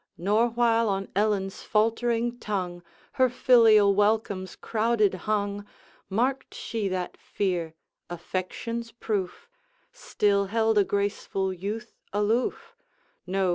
Nor while on Ellen's faltering tongue Her filial welcomes crowded hung, Marked she that fear affection's proof Still held a graceful youth aloof; No!